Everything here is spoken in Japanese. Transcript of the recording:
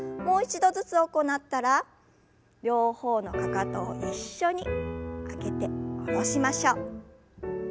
もう一度ずつ行ったら両方のかかとを一緒に上げて下ろしましょう。